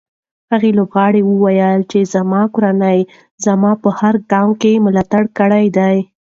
هغه لوبغاړی وویل چې زما کورنۍ زما په هر ګام کې ملاتړ کړی دی.